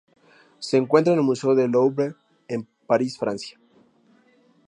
Se encuentra en el Museo del Louvre en París, Francia.